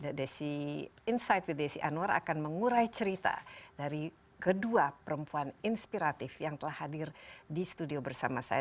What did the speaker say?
dan desi insight with desi anwar akan mengurai cerita dari kedua perempuan inspiratif yang telah hadir di studio bersama saya